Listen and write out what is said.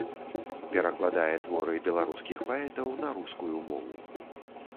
Перакладае творы беларускіх паэтаў на рускую мову.